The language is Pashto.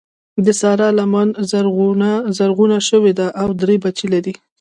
د سارا لمن زرغونه شوې ده او درې بچي لري.